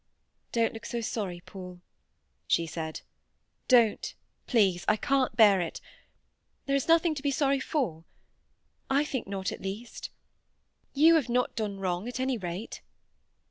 "Don't look so sorry, Paul," she said. "Don't, please. I can't bear it. There is nothing to be sorry for. I think not, at least. You have not done wrong, at any rate."